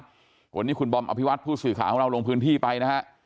วันนี้คุณบอมอภิวัตผู้สื่อข่าวของเราลงพื้นที่ไปนะฮะ